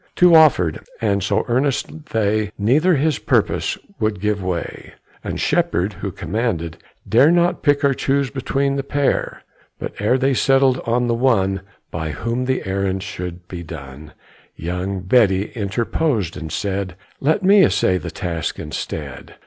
Two offered, and so earnest they, Neither his purpose would give way; And Shepherd, who commanded, dare Not pick or choose between the pair. But ere they settled on the one By whom the errand should be done, Young Betty interposed, and said, "Let me essay the task instead.